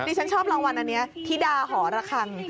ฉันชอบรางวัลอันนี้ธิดาหอระคัง